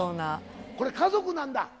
これ家族なんだ。